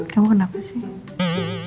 kamu kenapa sih